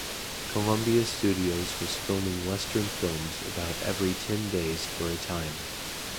Columbia Studios was filming western films about every ten days for a time.